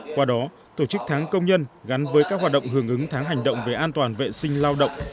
qua đó tổ chức tháng công nhân gắn với các hoạt động hưởng ứng tháng hành động về an toàn vệ sinh lao động